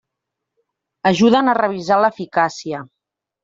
Ajuden a revisar l'eficàcia.